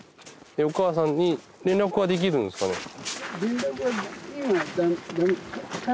お母さんに連絡はできるんですかね？